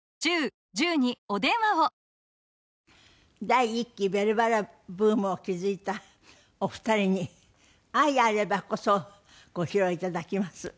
第１期『ベルばら』ブームを築いたお二人に『愛あればこそ』をご披露頂きます。